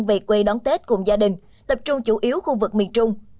về quê đón tết cùng gia đình tập trung chủ yếu khu vực miền trung